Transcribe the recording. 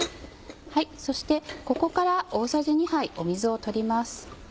そしてここから大さじ２杯水を取ります。